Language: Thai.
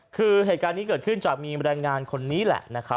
คือเหตุการณ์นี้เกิดขึ้นจากมีบรรยายงานคนนี้แหละ